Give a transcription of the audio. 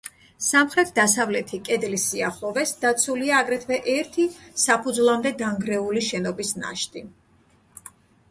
სამხრეთ-დასავლეთი კედლის სიახლოვეს დაცულია, აგრეთვე ერთი საფუძვლამდე დანგრეული შენობის ნაშთი.